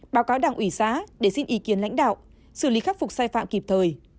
báo cáo đảng ủy xã để xin ý kiến lãnh đạo xử lý khắc phục sai phạm kịp thời